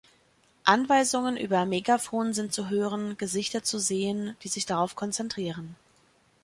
Anweisungen über Megaphon sind zu hören, Gesichter zu sehen, die sich darauf konzentrieren.